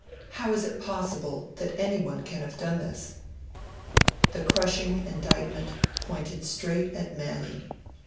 How is it possible that anyone can have done this?' The crushing indictment pointed straight at Manning.